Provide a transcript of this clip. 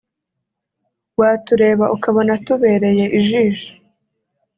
watureba ukabona tubereye ijisho